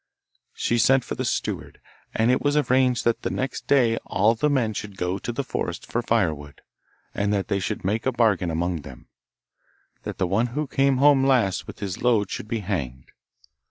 She sent for the steward, and it was arranged that next day all the men should go to the forest for fire wood, and that they should make a bargain among them, that the one who came home last with his load should be hanged.